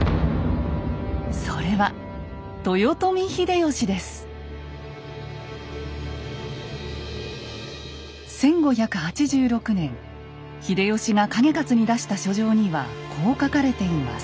それは１５８６年秀吉が景勝に出した書状にはこう書かれています。